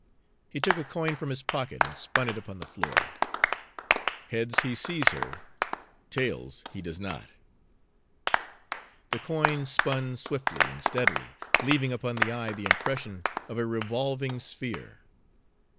He took a coin from his pocket and spun it upon the floor. "Heads, he sees her; tails, he does not." The coin spun swiftly and steadily, leaving upon the eye the impression of a revolving sphere.